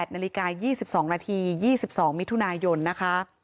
๘นาฬิกา๒๒นาที๒๒มิถุนายนนะคะ